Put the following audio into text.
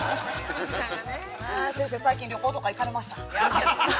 先生、最近、旅行とか行かれました？